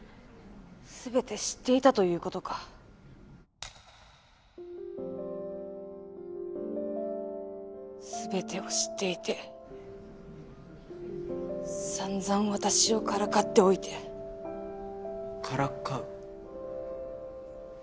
全て知っていたということか全てを知っていて散々私をからかっておいてからかう？